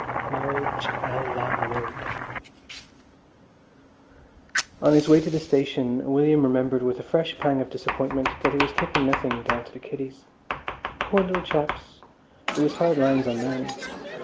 Marriage à la Mode On his way to the station William remembered with a fresh pang of disappointment that he was taking nothing down to the kiddies. Poor little chaps! It was hard lines on them.